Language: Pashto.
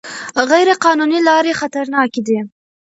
غیر قانوني لارې خطرناکې دي.